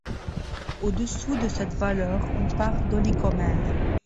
Au-dessous de cette valeur, on parle d'oligomère.